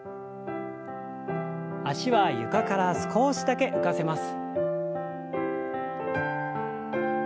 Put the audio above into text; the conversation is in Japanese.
脚は床から少しだけ浮かせます。